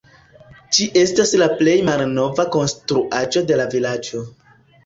Ĝi estas la plej malnova konstruaĵo de la vilaĝo.